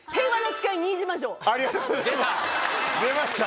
ありがとうございます出ました。